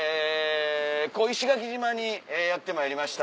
石垣島にやってまいりました。